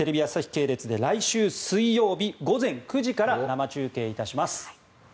系列で来週水曜日午前９時から生中継いたします。